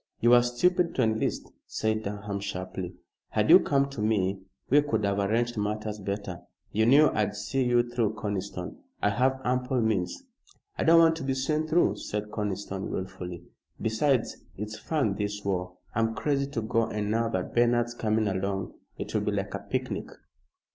"You were stupid to enlist," said Durham, sharply. "Had you come to me, we could have arranged matters better. You knew I'd see you through, Conniston. I have ample means." "I don't want to be seen through," said Conniston, wilfully. "Besides, it's fun, this war. I'm crazy to go, and now that Bernard's coming along it will be like a picnic."